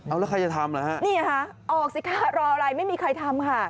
เอาแล้วใครจะทำเหรอฮะนี่ค่ะออกสิคะรออะไรไม่มีใครทำค่ะ